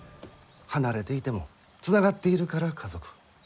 離れていてもつながっているから家族。